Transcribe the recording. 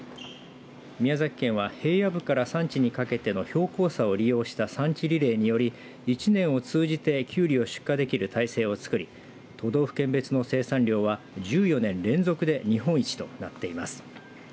宮崎県は平野部から山地にかけての標高差を利用した産地リレーにより一年を通じてきゅうりを出荷できる体制をつくり都道府県別の生産量は１４年連続で日本一となっています。